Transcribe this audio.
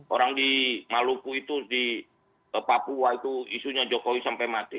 orang di maluku itu di papua itu isunya jokowi sampai mati